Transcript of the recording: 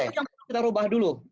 itu yang perlu kita robah dulu